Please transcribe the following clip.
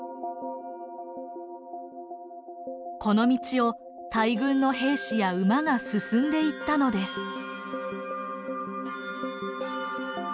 この道を大軍の兵士や馬が進んでいったのです。